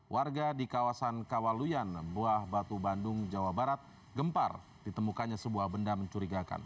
warga di kawasan kawaluyan buah batu bandung jawa barat gempar ditemukannya sebuah benda mencurigakan